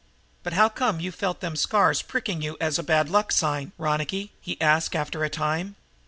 "But how come you felt them scars pricking as a bad luck sign, Ronicky?" he asked after a time.